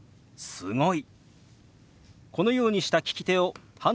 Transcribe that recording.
「すごい」。